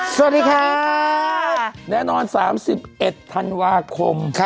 สวัสดีครับแนะนอนสามสิบเอ็ดธันวาคมครับผม